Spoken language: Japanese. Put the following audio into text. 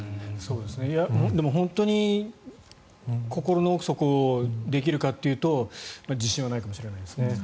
でも、本当に心の奥底、できるかっていうと自信はないかもしれないですね。